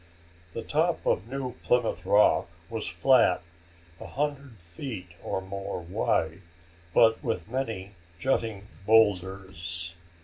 The top of New Plymouth Rock was flat, a hundred feet or more wide, but with many jutting boulders.